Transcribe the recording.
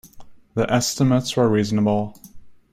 The estimates were reasonable.